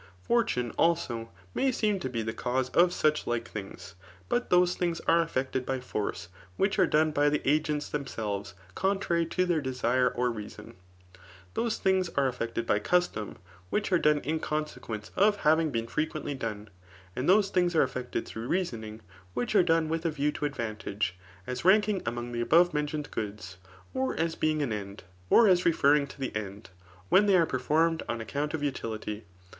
Fortune, also, may seem ta be the cause of sudi like thii^s. But those things are CHAP. X. EKET/Oaifi*. 8S eActed by £ca%e, which aie done bj die a^gentB them adves omtntry to their desire or reaaoa* Those things are eflFected by custom, which are done in ccmsequence of hanng been frequently done. And those things are effected through reasonings which are done with a view to advaotagev^ as ranking among the above me nt ioned goods, or as being an end, or as referring to the end» when they are performed on account of utility.